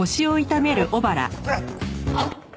あっ！